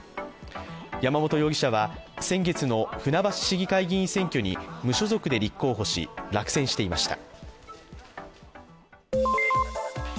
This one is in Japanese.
山本容疑者は、先月の船橋市議会議員選挙に無所属で立候補し、落選していました。